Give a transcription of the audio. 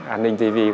an ninh tv